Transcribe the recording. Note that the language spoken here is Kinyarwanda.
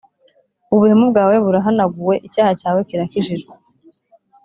ubuhemu bwawe burahanaguwe, icyaha cyawe kirakijijwe.»